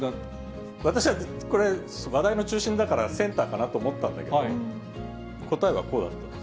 私はこれ、話題の中心だからセンターかなと思ったんだけど、答えはこうだったんです。